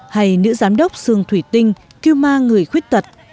hay nữ giám đốc sương thủy tinh kêu ma người khuyết tật